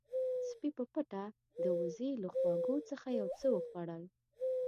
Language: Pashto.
سپی په پټه د وزې له خواږو څخه یو څه وخوړل.